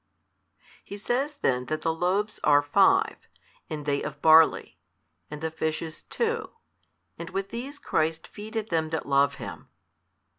He says then that the loaves are five, and they of barley, and the fishes two, and with these Christ feedeth them that love Him.